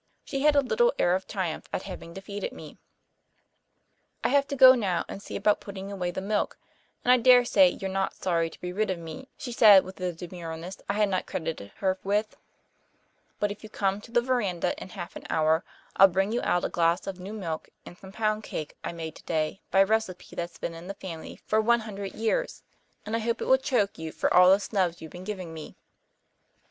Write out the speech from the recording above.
She had a little air of triumph at having defeated me. "I have to go now and see about putting away the milk, and I dare say you're not sorry to be rid of me," she said, with a demureness I had not credited her with, "but if you come to the verandah in half an hour I'll bring you out a glass of new milk and some pound cake I made today by a recipe that's been in the family for one hundred years, and I hope it will choke you for all the snubs you've been giving me."